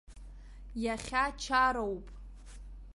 Иахьа чароуп!